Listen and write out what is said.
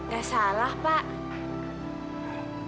gak salah pak